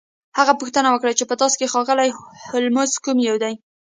هغه پوښتنه وکړه چې په تاسو کې ښاغلی هولمز کوم یو دی